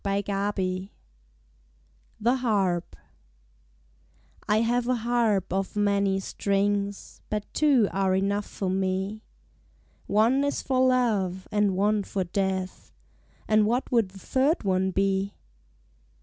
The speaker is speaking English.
Vigils THE HARP I HAVE a harp of many strings But two are enough for me : One is for love and one for death; And what would the third one be?